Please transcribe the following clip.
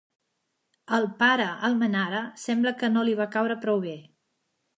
Al pare Almenara sembla que no li va caure prou bé.